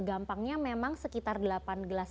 gampangnya memang sekitar delapan gelas